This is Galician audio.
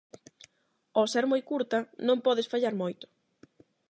Ó ser moi curta non podes fallar moito.